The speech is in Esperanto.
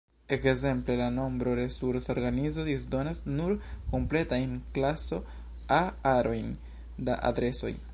Ekzemple, la Nombro-Resursa Organizo disdonas nur kompletajn klaso-A-arojn da adresoj.